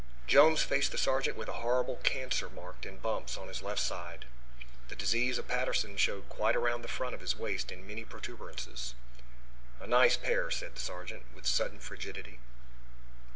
Jones faced the sergeant with a horrible cancer marked in bumps on his left side. The disease of Patterson showed quite around the front of his waist in many protuberances. "A nice pair!" said the sergeant, with sudden frigidity.